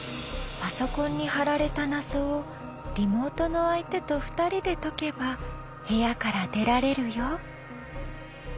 パソコンに貼られた謎をリモートの相手と２人で解けば部屋から出られるよ。